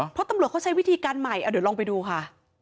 เพราะตำรวจเขาใช้วิธีการใหม่เอาเดี๋ยวลองไปดูค่ะ